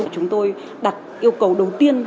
chúng tôi đặt yêu cầu đầu tiên